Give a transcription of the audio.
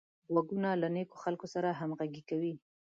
غوږونه له نېکو خلکو سره همغږي کوي